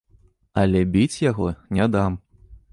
Але біць яго не дам.